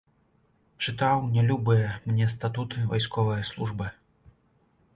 Чытаў нялюбыя мне статуты вайсковае службы.